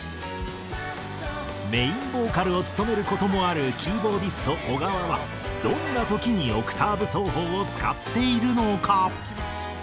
メインボーカルを務める事もあるキーボーディスト小川はどんな時にオクターブ奏法を使っているのか？